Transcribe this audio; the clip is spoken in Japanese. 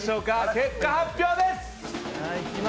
結果発表です！